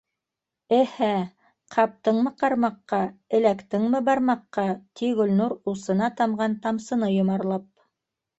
- Эһә, ҡаптыңмы ҡармаҡҡа, эләктеңме бармаҡҡа! - ти Гөлнур, усына тамған тамсыны йомарлап.